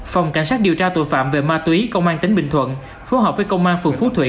phòng cảnh sát điều tra tội phạm về ma túy công an tỉnh bình thuận phù hợp với công an phường phú thủy